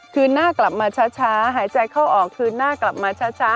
คืนหน้ากลับมาช้าหายใจเข้าออกคืนหน้ากลับมาช้า